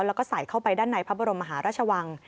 แล้วก็ใส่เข้าไปด้านในพระบรมมหาราชวัง